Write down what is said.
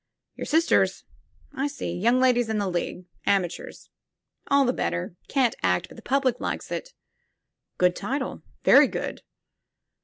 "Your sisters? I see. Young ladies in the League — amateurs. All the better. Can't act, but the public likes it. Good title, very good!